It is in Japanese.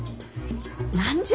何じゃ？